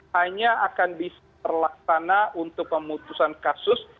hanya akan bisa terlaksana untuk pemutusan kasus